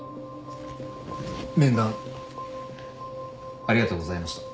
面談ありがとうございました。